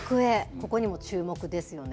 ここにも注目ですね。